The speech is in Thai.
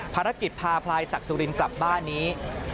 ภารกิจพาพลายศักดิ์สุรินกลับบ้านนี้